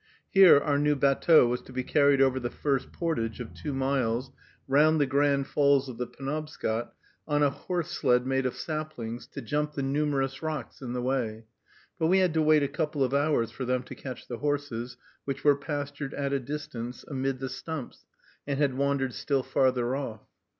Here our new batteau was to be carried over the first portage of two miles, round the Grand Falls of the Penobscot, on a horse sled made of saplings, to jump the numerous rocks in the way; but we had to wait a couple of hours for them to catch the horses, which were pastured at a distance, amid the stumps, and had wandered still farther off.